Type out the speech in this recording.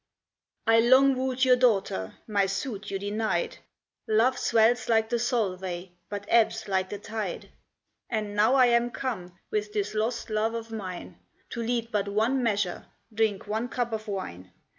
"I long wooed your daughter, my suit you denied; Love swells like the Selway, but ebbs like its tide; And now am I come, with this lost love of mine, To lead but one measure, drink one cup of wine.